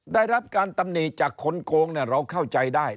ได้รับการตำหนิจากคนโกงเราเข้าใจได้